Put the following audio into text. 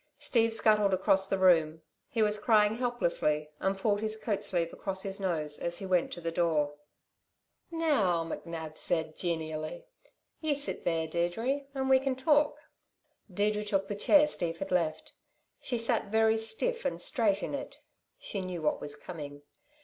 Steve scuttled across the room. He was crying helplessly, and pulled his coat sleeve across his nose as he went to the door. "Now," McNab said genially, "you sit there, Deirdre, and we can talk." Deirdre took the chair Steve had left. She sat very stiff and straight in it. She knew what was coming.